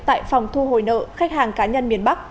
tại phòng thu hồi nợ khách hàng cá nhân miền bắc